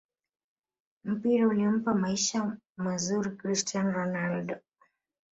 mpira ulimpa maisha mazuri cristian ronaldo